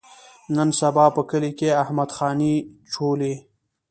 نن سبا په کلي کې احمد خاني چولي.